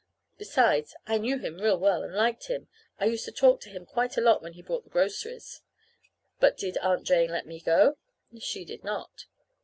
Besides, I knew him real well, and liked him. I used to talk to him quite a lot when he brought the groceries. But did Aunt Jane let me go? She did not.